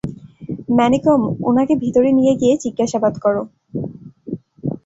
মানিকম, উনাকে ভিতরে নিয়ে গিয়ে জিজ্ঞাসাবাদ করো।